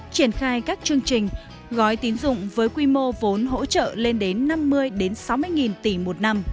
triển khai các chương trình gói tín dụng với quy mô vốn hỗ trợ lên đến năm mươi sáu mươi nghìn tỷ một năm